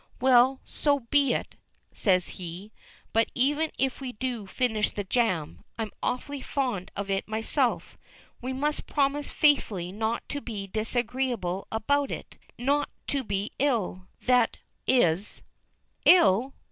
"Well, so be it," says he. "But even if we do finish the jam I'm awfully fond of it myself we must promise faithfully not to be disagreeable about it; not to be ill, that is " "Ill!